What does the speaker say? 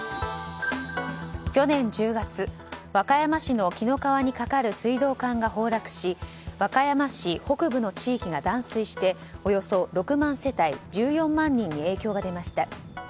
去年１０月、和歌山市の紀の川に架かる水道管が崩落し和歌山市北部の地域が断水しておよそ６万世帯１４万人に影響が出ました。